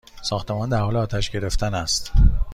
ساختمان در حال آتش گرفتن است!